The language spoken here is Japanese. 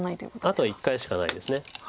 あと１回しかないです。